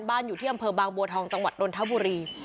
อยู่ที่อำเภอบางบัวทองจังหวัดนทบุรี